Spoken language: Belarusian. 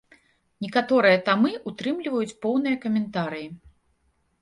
Некаторыя тамы ўтрымліваюць поўныя каментарыі.